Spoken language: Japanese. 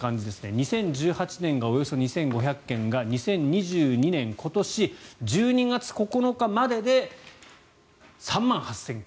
２０１８年がおよそ２５００件が２０２２年、今年１２月９日までで３万８０００件。